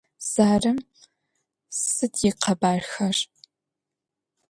Zarêm sıd ıkhebarxer?